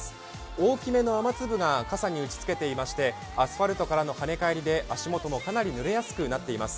大きめの雨粒が傘に打ちつけていまして、アスファルトからの跳ね返りで足元もかなりぬれやすくなっています。